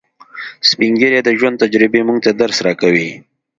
سپین ږیری د ژوند تجربې موږ ته درس راکوي